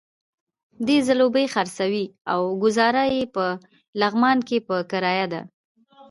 دی ځلوبۍ خرڅوي او ګوزاره یې په لغمان کې په کرايه ده.